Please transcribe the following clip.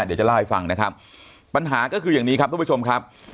เดี๋ยวจะเล่าให้ฟังนะครับปัญหาก็คืออย่างนี้ครับทุกผู้ชมครับ